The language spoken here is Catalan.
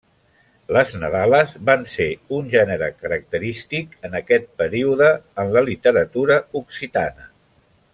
Les nadales van ser un gènere característic en aquest període en la literatura occitana.